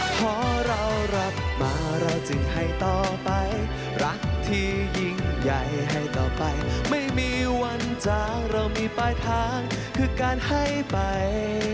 พอเรารับมาเราจึงให้ต่อไปรักที่ยิ่งใหญ่ให้ต่อไปไม่มีวันจาเรามีปลายทางคือการให้ไป